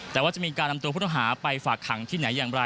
แต่ว่าจะมีการนำตัวผู้ต้องหาไปฝากขังที่ไหนอย่างไร